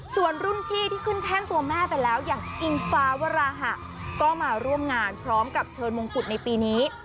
ส่วนรุ่นพี่ที่ขึ้นแท่นตัวแม่ไปแล้วอย่างอิงฟ้าวราหะก็มาร่วมงานพร้อมกับเชิญมงกุฎในปีนี้